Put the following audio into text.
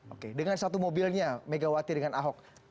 oke dengan satu mobilnya megawati dengan ahok